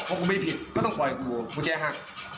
พอกูไม่ผิดเขาต้องปล่อยกูมันแจ้หัก